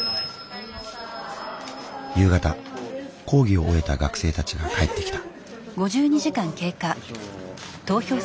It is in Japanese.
夕方講義を終えた学生たちが帰ってきた。